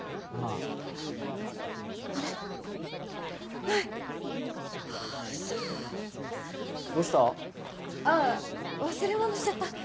あぁ忘れ物しちゃった。